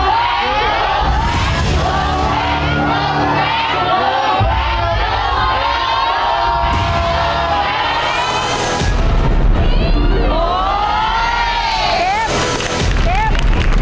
เก็บ